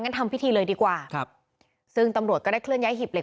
ทำพิธีเลยดีกว่าครับซึ่งตำรวจก็ได้เคลื่อยหีบเหล็